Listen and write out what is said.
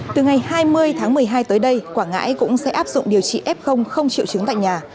từ ngày hai mươi tháng một mươi hai tới đây quảng ngãi cũng sẽ áp dụng điều trị f không triệu chứng tại nhà